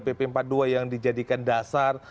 pp empat puluh dua yang dijadikan dasar